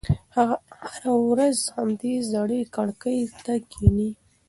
هغه هره ورځ همدې زړې کړکۍ ته کښېني.